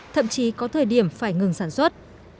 thậm chí có thời điểm phải ngừng sản xuất